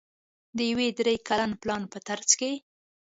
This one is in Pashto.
د یوه درې کلن پلان په ترڅ کې